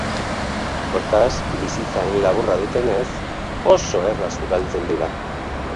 Hortaz, bizitza hain laburra dutenez, oso erraz ugaltzen dira.